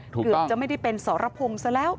เกือบจะไม่ได้เป็นสรพงศ์ซะแล้ว